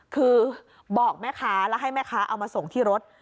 คือบอกแม่ค้าแล้วให้แม่ค้าเอามาส่งที่รถ